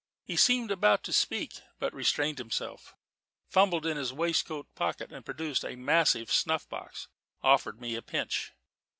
He seemed about to speak, but restrained himself, fumbled in his waistcoat pocket, and producing a massive snuff box, offered me a pinch.